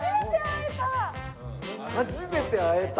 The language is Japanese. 「初めて会えた」？